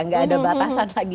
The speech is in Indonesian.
tidak ada batasan lagi